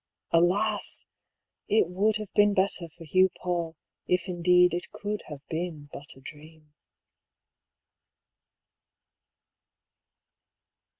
Alas ! it would have been better for Hugh PauU if indeed it could have been but a dream.